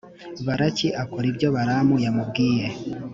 balaki akora ibyo balamu yamubwiye.